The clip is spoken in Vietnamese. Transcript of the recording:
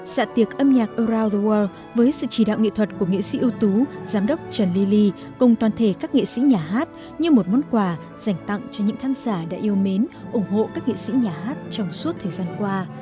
dạng thiệt âm nhạc around the world với sự chỉ đạo nghị thuật của nghị sĩ ưu tú giám đốc trần ly ly cùng toàn thể các nghị sĩ nhà hát như một món quà dành tặng cho những khán giả đã yêu mến ủng hộ các nghị sĩ nhà hát trong suốt thời gian qua